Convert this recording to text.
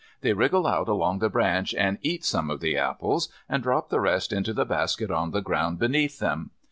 They wriggle out along the branch and eat some of the apples and drop the rest into the basket on the ground beneath them.